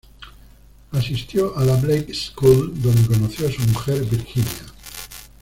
Asistió a la Blake School, donde conoció a su mujer Virginia.